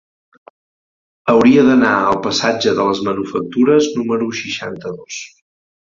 Hauria d'anar al passatge de les Manufactures número seixanta-dos.